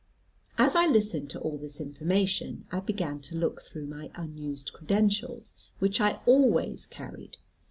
As I listened to all this information, I began to look through my unused credentials, which I always carried.